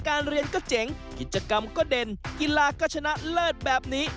กิจกรรมก็เด่นกีฬาก็ชนะเลิศแบบนี้